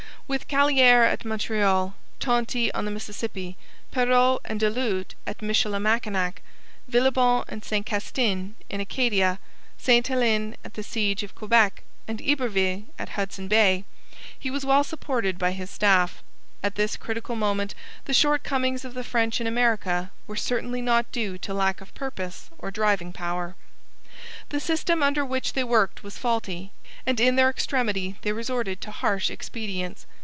With Callieres at Montreal, Tonty on the Mississippi, Perrot and Du Lhut at Michilimackinac, Villebon and Saint Castin in Acadia, Sainte Helene at the siege of Quebec, and Iberville at Hudson Bay, he was well supported by his staff. At this critical moment the shortcomings of the French in America were certainly not due to lack of purpose or driving power. The system under which they worked was faulty, and in their extremity they resorted to harsh expedients.